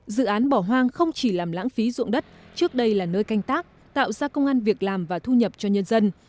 dự án bỏ hoang không chỉ làm lãng phí ruộng đất trước đây là nơi canh tác tạo ra công an việc làm và thu nhập cho nhân dân